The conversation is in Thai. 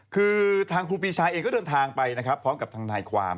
คือทางครูปีชาเองก็เดินทางไปนะครับพร้อมกับทางทนายความ